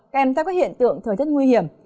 kèm theo các hiện tượng thời tiết nguy hiểm